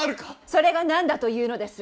それが何だというのです！